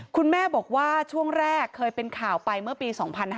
คุณแม่บอกว่าช่วงแรกเคยเป็นข่าวไปเมื่อปี๒๕๕๙